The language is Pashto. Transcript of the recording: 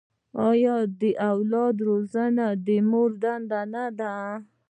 آیا د اولاد روزنه د مور دنده نه ده؟